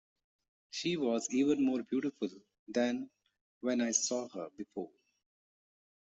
She was even more beautiful than when I saw her, before.